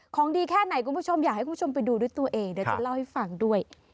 ดีแค่ไหนคุณผู้ชมอยากให้คุณผู้ชมไปดูด้วยตัวเองเดี๋ยวจะเล่าให้ฟังด้วย